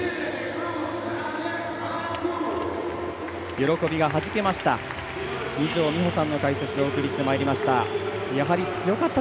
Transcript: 喜びがはじけました。